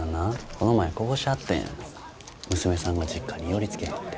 この前こぼしてはったんや娘さんが実家に寄りつけへんて。